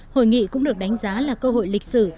hội nghị cũng được đánh giá là cơ hội lịch sử